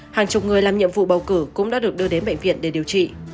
hàng chục người làm nhiệm vụ bầu cử cũng đã được đưa đến bệnh viện để điều trị